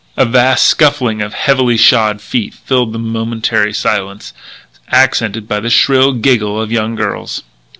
A vast scuffling of heavily shod feet filled the momentary silence, accented by the shrill giggle of young girls.